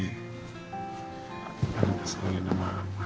pada kesayangan mama